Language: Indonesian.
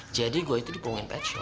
jadi gue itu dipungin pet show